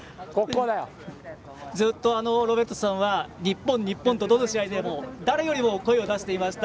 ずっとロベルトさんは日本、日本とどの試合でも誰よりも声を出していました。